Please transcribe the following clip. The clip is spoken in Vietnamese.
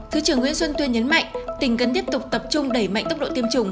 thứ trưởng nguyễn xuân tuyên nhấn mạnh tỉnh cần tiếp tục tập trung đẩy mạnh tốc độ tiêm chủng